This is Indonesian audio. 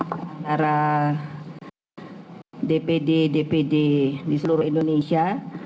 antara dpd dpd di seluruh indonesia